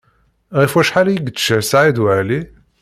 Ɣef wacḥal i yečča Saɛid Waɛli?